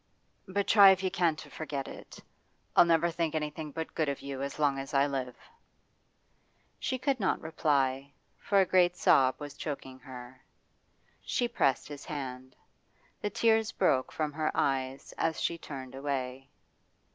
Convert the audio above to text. But try if you can to forget it. I'll never think anything but good of you as long as I live.' She could not reply, for a great sob was choking her. She pressed his band; the tears broke from her eyes as she turned away.